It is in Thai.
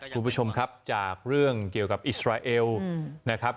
คุณผู้ชมครับจากเรื่องเกี่ยวกับอิสราเอลนะครับ